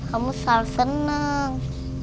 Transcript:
kamu selalu seneng